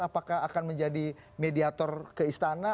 apakah akan menjadi mediator ke istana